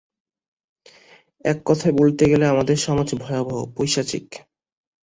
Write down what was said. এক কথায় বলিতে গেলে আমাদের সমাজ ভয়াবহ, পৈশাচিক।